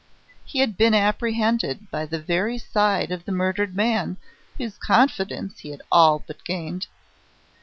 He had been apprehended by the very side of the murdered man whose confidence he had all but gained.